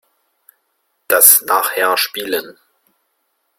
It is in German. Das nachher spielen.